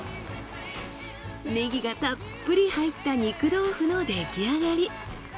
ねぎがたっぷり入った肉豆腐のできあがり。